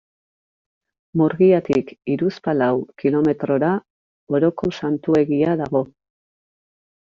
Murgiatik hiruzpalau kilometrora Oroko Santutegia dago.